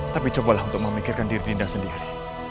tapi cobalah untuk memikirkan diri dinda sendiri